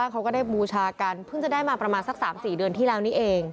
เขาก็ได้บูชากันเพิ่งจะได้มาประมาณสัก๓๔เดือนที่แล้วนี้เอง